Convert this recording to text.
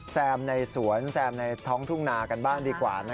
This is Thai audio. แซมในสวนแซมในท้องทุ่งนากันบ้างดีกว่า